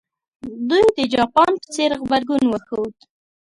دوی د جاپان په څېر غبرګون وښود.